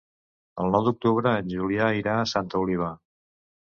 El nou d'octubre en Julià irà a Santa Oliva.